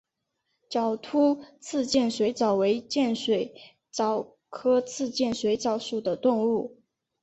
角突刺剑水蚤为剑水蚤科刺剑水蚤属的动物。